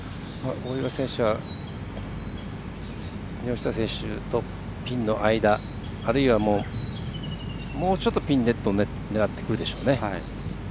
大岩選手は木下選手とピンの間あるいは、もうちょっとピンを狙ってくるでしょうね。